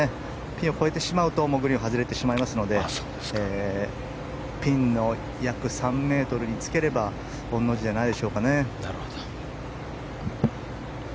ピンを越えてしまうとグリーンを外れてしまいますのでピンの約３ｍにつければ御の字じゃないでしょうかね。